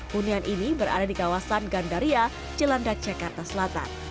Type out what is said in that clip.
hunian ini berada di kawasan gandaria jelanda jakarta selatan